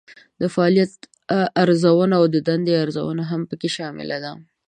د فعالیت ارزونه او د دندې ارزونه هم پکې شامله ده.